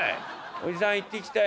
「おじさん行ってきたよ。